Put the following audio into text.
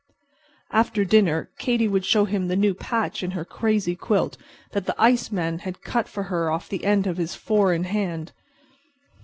After dinner Katy would show him the new patch in her crazy quilt that the iceman had cut for her off the end of his four in hand.